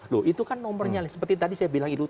loh itu kan nomornya seperti tadi saya bilang itu